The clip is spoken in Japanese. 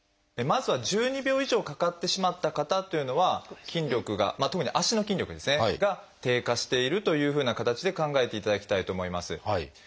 まずは１２秒以上かかってしまった方というのは筋力が特に足の筋力ですねが低下しているというふうな形で考えていただきたいと思います。